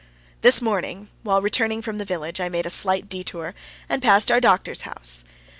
This morning, while returning from the village, I made a slight detour, and passed our doctor's house.